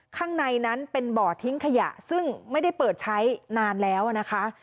ข้างในนั้นเป็นบ่อทิ้งขยะซึ่งไม่ได้เปิดใช้นานแล้วนะคะ